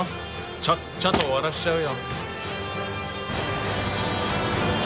ちゃっちゃと終わらせちゃうよ。